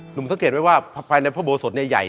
สังเกตไว้ว่าภายในพระโบสถเนี่ยใหญ่